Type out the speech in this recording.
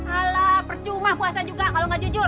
alah percuma puasa juga kalau gak jujur